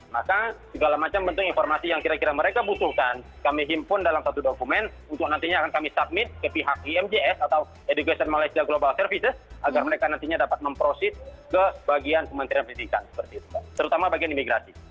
maka segala macam bentuk informasi yang kira kira mereka butuhkan kami himpun dalam satu dokumen untuk nantinya akan kami submit ke pihak imjs atau education malaysia global services agar mereka nantinya dapat memproses ke bagian kementerian pendidikan terutama bagian imigrasi